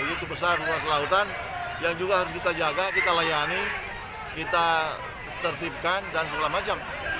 itu besar luas lautan yang juga harus kita jaga kita layani kita tertipkan dan sebagainya